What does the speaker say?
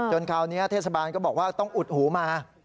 คราวนี้เทศบาลก็บอกว่าต้องอุดหูมา